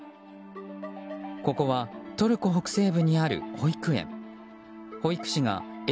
ここはトルコ北西部にある保育園。